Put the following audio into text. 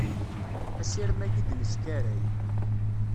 Asirem-agi i d-neskaray.